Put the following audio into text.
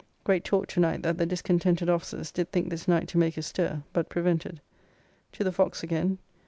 Great talk to night that the discontented officers did think this night to make a stir, but prevented. To the Fox again.